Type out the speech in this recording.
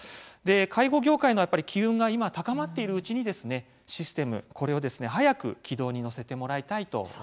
介護業界の機運が今、高まっているうちにシステム、これを早く軌道に乗せてもらいたいと思います。